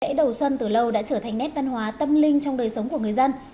lễ đầu xuân từ lâu đã trở thành nét văn hóa tâm linh trong đời sống của người dân